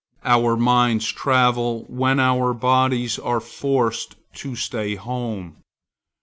Our minds travel when our bodies are forced to stay at home.